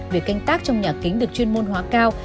việc canh tác trong nhà kính được chuyên môn hóa cao